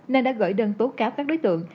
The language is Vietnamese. nên đã gửi đơn tố cáo các đối tượng